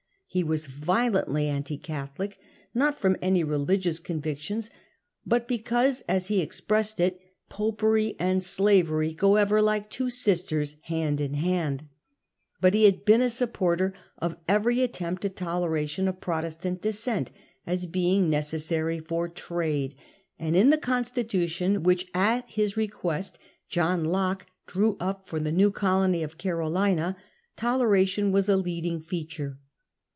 He was violently anti Catholic, not from any religious convictions, but because, as he expressed it, f Popery and slavery go ever, like two sisters, hand in hand ;' but he had been a supporter of every attempt at toleration of Protestant dissent, as being necessary for trade ; and in the constitution which at his request John Locke drew up foj the new colony of Caro lina toleration was a leading feature.